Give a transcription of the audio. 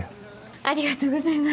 ありがとうございます。